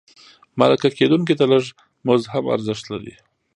مرکه کېدونکي ته لږ مزد هم ارزښت لري.